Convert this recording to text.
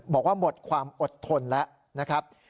บอกว่าหมดความอดทนแล้วนะครับ